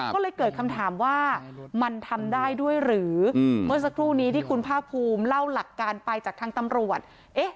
ก็เลยเกิดคำถามว่ามันทำได้ด้วยหรือเมื่อสักครู่นี้ที่คุณภาคภูมิเล่าหลักการไปจากทางตำรวจ